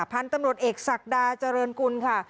พันธุ์ตำรวจเอกศักดาเจริญกุลค่ะ